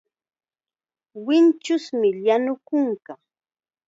Winchusmi llanu kunka.